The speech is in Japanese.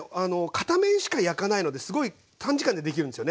片面しか焼かないのですごい短時間でできるんですよね。